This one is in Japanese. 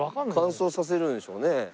乾燥させるんでしょうね。